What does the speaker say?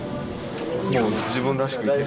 もう自分らしくいけ。